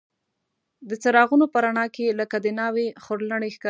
د څراغونو په رڼا کې لکه د ناوې خورلڼې ښکارېدې.